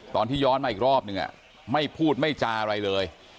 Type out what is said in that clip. ตอนที่ย้อนมาอีกรอบนึงไม่พูดไม่จาอะไรเลย